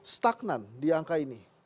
stagnan di angka ini